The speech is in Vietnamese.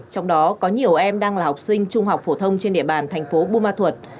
trong đó có nhiều em đang là học sinh trung học phổ thông trên địa bàn thành phố bù ma thuật